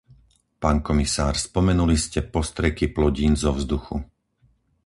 Pán komisár, spomenuli ste postreky plodín zo vzduchu.